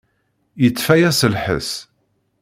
Yettfaya s lḥess.